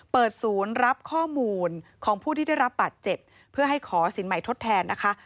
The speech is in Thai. เปิดศูนย์รับข้อมูลของผู้ที่ได้รับบาดเจ็บเพื่อให้ขอสินใหม่ทดแทนนะคะ